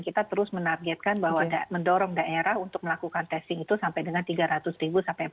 kita terus menargetkan bahwa mendorong daerah untuk melakukan testing itu sampai dengan tiga ratus sampai empat ratus